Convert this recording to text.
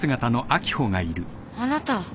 あなた。